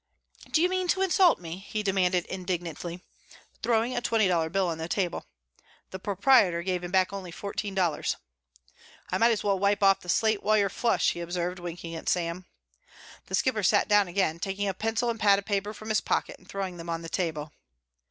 "Do you mean to insult me?" he demanded indignantly, throwing a twenty dollar bill on the table. The proprietor gave him back only fourteen dollars. "I might as well wipe off the slate while you're flush," he observed, winking at Sam. The Skipper sat down again, taking a pencil and pad of paper from his pocket, and throwing them on the table.